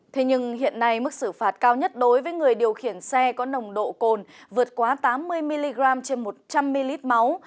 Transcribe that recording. thế nhưng hiện nay mức xử phạt cao nhất đối với người điều khiển xe có nồng độ cồn vượt quá tám mươi mg trên một trăm linh ml máu